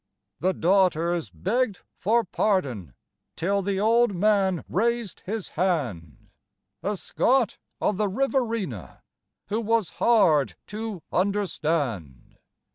The daughters begged for pardon till the old man raised his hand A Scot of the Riverina who was hard to understand.